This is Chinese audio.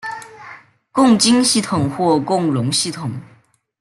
共晶系统或共熔系统。